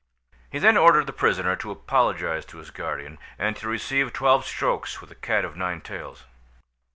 He then ordered the prisoner to apologise to his guardian, and to receive twelve strokes with a cat of nine tails.